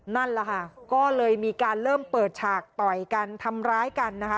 นั่นแหละค่ะก็เลยมีการเริ่มเปิดฉากต่อยกันทำร้ายกันนะคะ